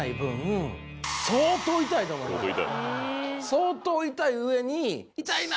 相当痛い上に。